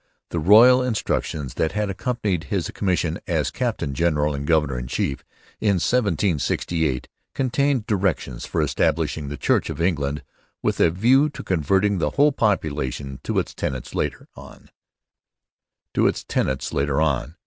The royal instructions that had accompanied his commission as 'Captain General and Governor in chief' in 1768 contained directions for establishing the Church of England with a view to converting the whole population to its tenets later on.